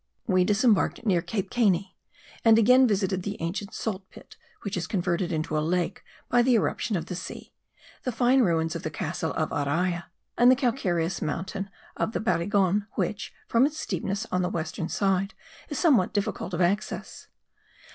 We disembarked near Cape Caney and again visited the ancient salt pit (which is converted into a lake by the irruption of the sea), the fine ruins of the castle of Araya and the calcareous mountain of the Barigon, which, from its steepness on the western side is somewhat difficult of access.